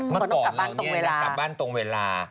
เมื่อก่อนเราเนี่ยจะกลับบ้านตรงเวลา